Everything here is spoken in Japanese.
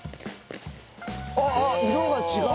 あっ色が違う。